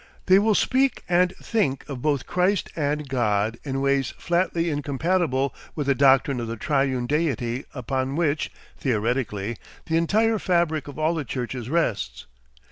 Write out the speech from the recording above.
They will speak and think of both Christ and God in ways flatly incompatible with the doctrine of the Triune deity upon which, theoretically, the entire fabric of all the churches rests.